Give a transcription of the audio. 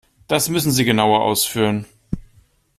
Das müssen Sie genauer ausführen.